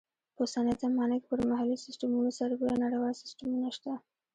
په اوسنۍ زمانه کې پر محلي سیسټمونو سربیره نړیوال سیسټمونه شته.